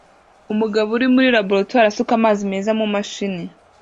Umugabo uri muri laboratoire asuka amazi meza mumashini